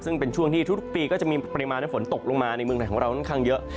ซึ่งเป็นช่วงที่ทุกปีก็จะมีปริมาณฝนตกลงมาในเมืองไทยของเราค่อนข้างเยอะ